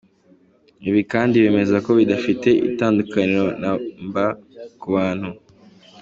Ibi kandi bemeza ko bidafite itandukaniro na mba ku bantu.